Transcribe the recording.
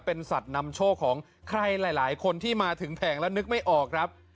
เป็นสัตว์นำโชคของใครหลายคนที่มาถึงแผงแล้วนึกไม่ออกครับ